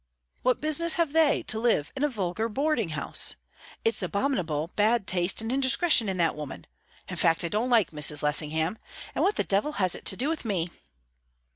"What business have they to live in a vulgar boarding house? It's abominable bad taste and indiscretion in that woman. In fact, I don't like Mrs. Lessingham. And what the devil has it to do with me?"